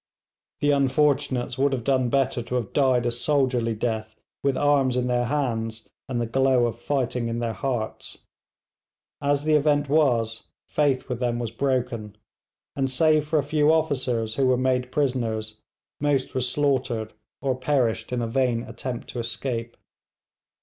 The unfortunates would have done better to have died a soldierly death, with arms in their hands and the glow of fighting in their hearts. As the event was, faith with them was broken, and save for a few officers who were made prisoners, most were slaughtered, or perished in a vain attempt to escape.